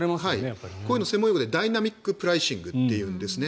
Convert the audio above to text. こういうのを専門用語でダイナミック・プライシングというんですね。